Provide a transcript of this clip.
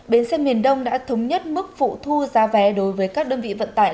bến xe miền đông đã thống nhất mức phụ thu giá vé đối với các đơn vị vận tải